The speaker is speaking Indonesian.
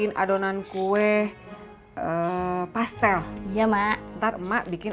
nah cimot saya mau ke rumah babes